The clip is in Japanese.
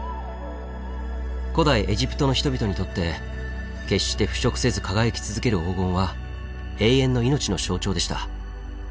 古代エジプトの人々にとって決して腐食せず輝き続ける黄金は永遠の命の象徴でした。